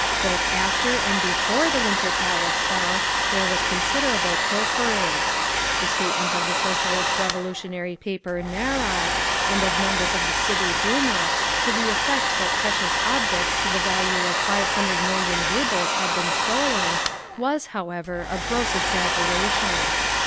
Both after and before the Winter Palace fell, there was considerable pilfering. The statement of the Socialist Revolutionary paper Narod, and of members of the City Duma, to the effect that precious objects to the value of 500,000,000 rubles had been stolen, was, however, a gross exaggeration.